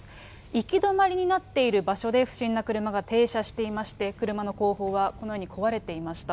行き止まりになっている場所で、不審な車が停車していまして、車の後方はこのように壊れていました。